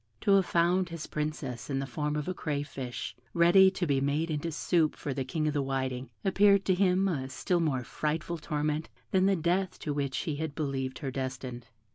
To have found his Princess in the form of a crayfish, ready to be made into soup for the King of the Whiting, appeared to him a still more frightful torment than the death to which he had believed her destined.